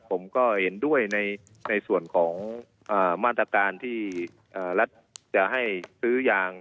ผมก็เห็นด้วยในส่วนของมาตรการที่รัฐจะให้ซื้อยาง